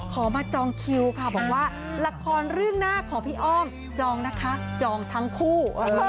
ขอมาจองคิวค่ะบอกว่าละครเรื่องหน้าของพี่อ้อมจองนะคะจองทั้งคู่